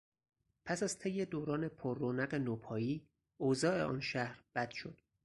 پس از طی دوران پررونق نوپایی، اوضاع آن شهر بد شد.